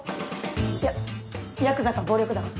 いやヤクザか暴力団？